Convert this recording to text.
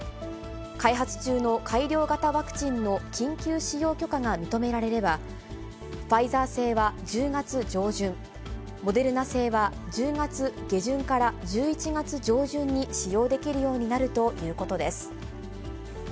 開発中の改良型ワクチンの緊急使用許可が認められれば、ファイザー製は１０月上旬、モデルナ製は１０月下旬から１１月上旬に使用できるようになるということです。